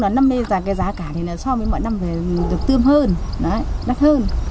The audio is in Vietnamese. năm nay giá cả thì so với mọi năm thì được tươm hơn đắt hơn